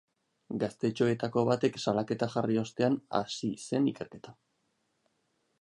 Gaztetxoetako batek salaketa jarri ostean hasi zen ikerketa.